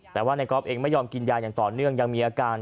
แต่ว่าในก๊อฟเองไม่ยอมกินยาอย่างต่อเนื่องยังมีอาการ